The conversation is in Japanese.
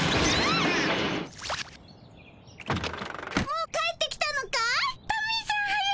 もう帰ってきたのかい？